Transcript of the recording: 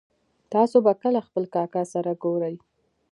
تاسو به کله خپل کاکا سره ګورئ